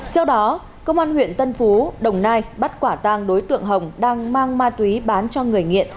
trước đó công an huyện tân phú đồng nai bắt quả tang đối tượng hồng đang mang ma túy bán cho người nghiện